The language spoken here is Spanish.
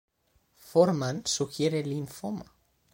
Foreman sugiere linfoma.